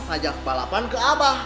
ajak balapan ke abah